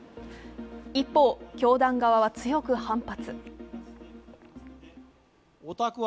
一方、教団側は強く反発。